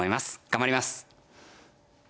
頑張ります。